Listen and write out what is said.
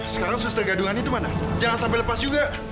sekarang suster gadungan itu mana jangan sampai lepas juga